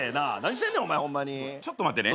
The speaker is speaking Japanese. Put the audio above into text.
ちょっと待ってね。